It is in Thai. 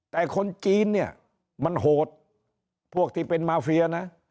แต่คนจีนเนี่ยมันโหดพวกที่เป็นมาเฟียนะ